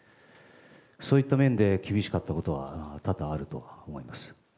そういった面で厳しかったことは多々あると思います。